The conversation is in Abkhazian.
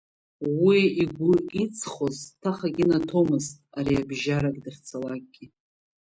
Уи игәы иҵхоз ҭахак инаҭомызт ариабжьарак дахьцалакгьы.